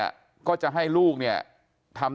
ความปลอดภัยของนายอภิรักษ์และครอบครัวด้วยซ้ำ